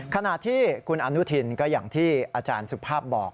ขณะที่คุณอนุทินก็อย่างที่อาจารย์สุภาพบอก